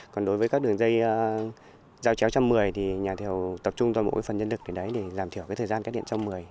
còn đối với các đường dây dao chéo trăm mười thì nhà thầu tập trung toàn bộ phần nhân lực để giảm thiểu thời gian cắt điện trăm mười